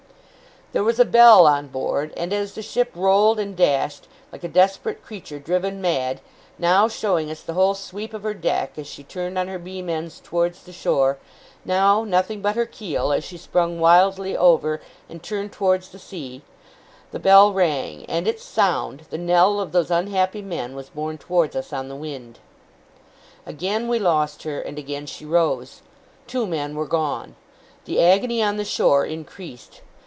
There was a bell on board; and as the ship rolled and dashed, like a desperate creature driven mad, now showing us the whole sweep of her deck, as she turned on her beam ends towards the shore, now nothing but her keel, as she sprung wildly over and turned towards the sea, the bell rang; and its sound, the knell of those unhappy men, was borne towards us on the wind. Again we lost her, and again she rose. Two men were gone. The agony on the shore increased.